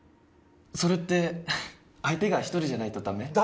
それって相手が１人じゃないとダメ？